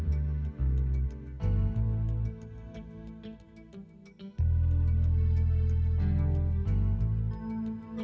sampai jumpa di video selanjutnya